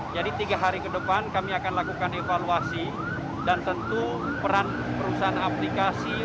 jadi tiga hari ke depan kami akan lakukan evaluasi dan tentu peran perusahaan aplikasi